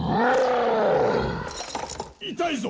痛いぞ！